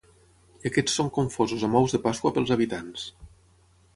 I aquests són confosos amb ous de Pasqua pels habitants.